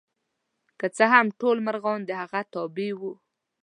که څه هم ټول مرغان د هغه تابع وو.